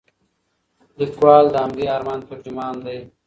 لیکوال د همدې ارمان ترجمان دی.